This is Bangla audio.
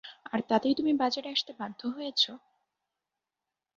আর তাতেই তুমি বাজারে আসতে বাধ্য হয়েছো!